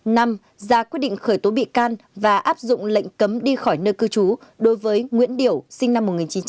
năm ra quyết định khởi tố bị can và áp dụng lệnh cấm đi khỏi nơi cư trú đối với nguyễn điểu sinh năm một nghìn chín trăm tám mươi